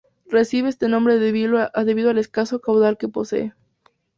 Recibe este nombre debido al escaso caudal que posee.